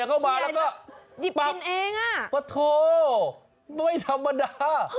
มันก็มาแล้วก็ปับปะโธ่ไม่ธรรมดา